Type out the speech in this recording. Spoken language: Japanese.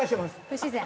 不自然。